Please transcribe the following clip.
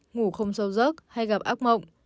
ngủ không sâu giấc hay gặp ác mộng